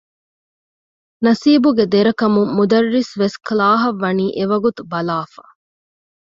ނަސީބުގެ ދެރަ ކަމުން މުދައްރިސްވެސް ކްލާހަށް ވަނީ އެވަގުތު ބަލާފަ